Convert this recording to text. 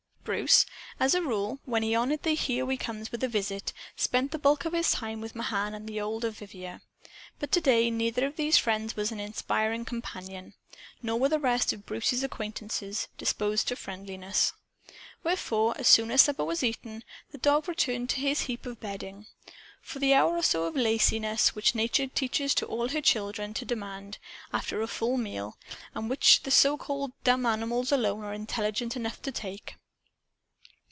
Bruce, as a rule, when he honored the "Here We Comes" with a visit, spent the bulk of his time with Mahan and old Vivier. But to day neither of these friends was an inspiring companion. Nor were the rest of Bruce's acquaintances disposed to friendliness. Wherefore, as soon as supper was eaten, the dog returned to his heap of bedding, for the hour or so of laziness which Nature teaches all her children to demand, after a full meal, and which the so called "dumb" animals alone are intelligent enough to take.